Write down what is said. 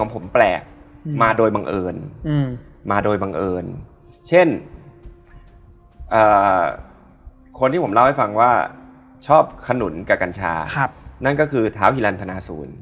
ผมยังไม่ได้ฟังเรื่องราวทั้งหมดนะ